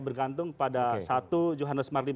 bergantung pada satu johannes marlim